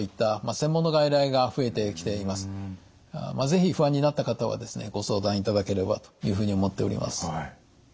是非不安になった方はですねご相談いただければというふうに思っております。